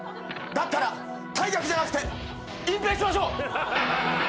だったら退学じゃなくて隠蔽しましょう！